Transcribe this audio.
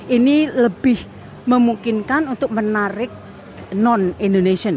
ini lebih memungkinkan untuk menarik non indonesia